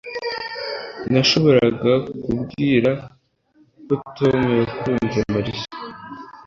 Nashoboraga kubwira ko Tom yakunze Mariya